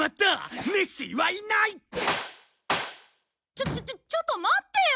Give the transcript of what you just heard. ちょっちょっちょっと待ってよ！